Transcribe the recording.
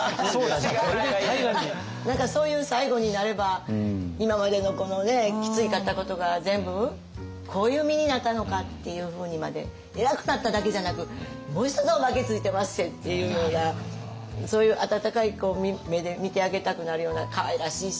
何かそういう最後になれば今までのこのきついかったことが全部こういう実になったのかっていうふうにまで偉くなっただけじゃなくもう一つおまけついてまっせっていうようなそういうかいらしいわ！